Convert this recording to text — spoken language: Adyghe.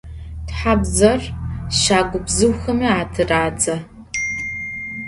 Тхьабзэр щагу бзыухэми атырадзэ.